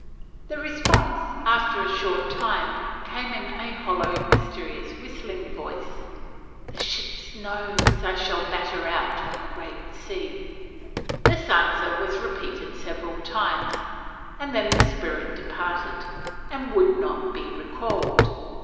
The response, after a short time, came in the hollow mysterious whistling voice, "The ship's nose I will batter out on the great sea." This answer was repeated several times, and then the spirit departed, and would not be recalled.